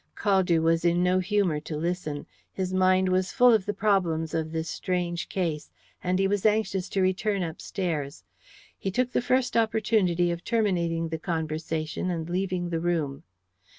Caldew was in no humour to listen. His mind was full of the problems of this strange case, and he was anxious to return upstairs. He took the first opportunity of terminating the conversation and leaving the room.